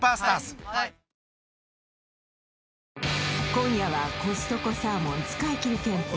今夜はコストコサーモン使い切り検定